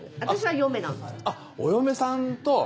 お嫁さんと！